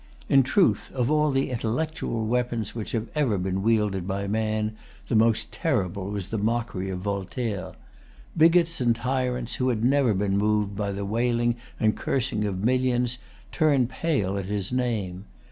In truth, of all the intellectual weapons which have ever been wielded by man, the most terrible was the mockery of Voltaire. Bigots and tyrants, who had never been moved by the wailing and cursing of millions, turned pale at his name.